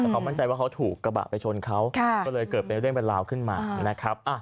แต่เขามั่นใจว่าเขาถูกกระบะไปชนเขาก็เลยเกิดเป็นเรื่องเป็นราวขึ้นมานะครับ